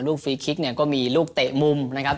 ฟรีคิกเนี่ยก็มีลูกเตะมุมนะครับ